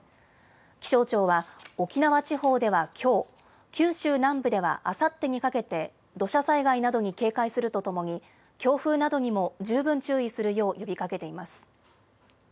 気象庁は、沖縄地方ではきょう、九州南部ではあさってにかけて、土砂災害などに警戒するとともに、強風などにも十分注意するよう呼びかけています。